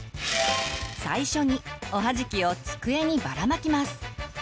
最初におはじきを机にばらまきます。